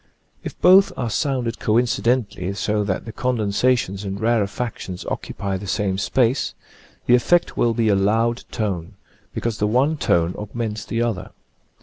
If both are sounded coincidently, so that the condensa tions and rarefactions occupy the same space, the effect will be a loud tone, because the one tone augments the other.